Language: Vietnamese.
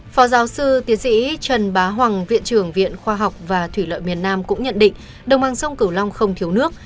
phó giáo sư tiến sĩ trần bá hoàng viện trưởng viện khoa học và thủy lợi miền nam cũng nhận định đồng bằng sông cửu long không thiếu nước